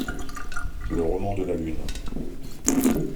Le roman de la Lune